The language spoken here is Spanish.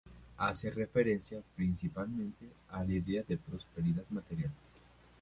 Hace referencia principalmente a la idea de la prosperidad material.